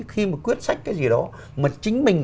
khi mà quyết sách cái gì đó mà chính mình